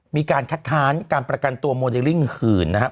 มีการคัดค้านการประกันตัวโมเดลลิ่งหื่นนะครับ